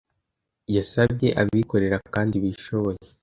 yasabye abikorera kandi bishoboye,